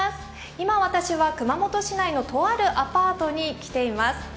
今、私は熊本市内のとあるアパートに来ています。